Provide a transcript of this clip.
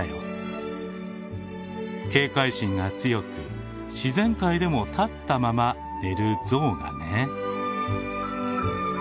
警戒心が強く自然界でも立ったまま寝るゾウがね。